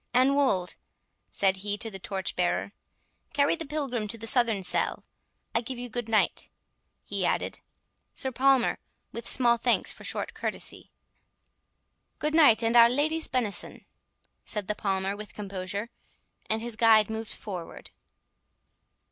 —Anwold," said he to the torchbearer, "carry the Pilgrim to the southern cell.—I give you good night," he added, "Sir Palmer, with small thanks for short courtesy." "Good night, and Our Lady's benison," said the Palmer, with composure; and his guide moved forward.